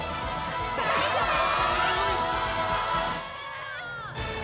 バイバーイ！